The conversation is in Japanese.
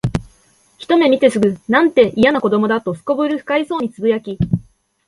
ひとめ見てすぐ、「なんて、いやな子供だ」と頗る不快そうに呟き、